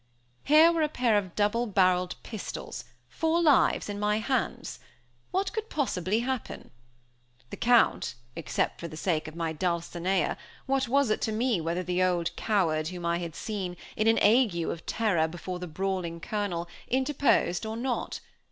Here were a pair of double barreled pistols, four lives in my hands? What could possibly happen? The Count except for the sake of my dulcinea, what was it to me whether the old coward whom I had seen, in an ague of terror before the brawling Colonel, interposed or not?